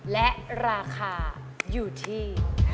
และราคาอยู่ที่